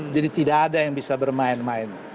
jadi tidak ada yang bisa bermain main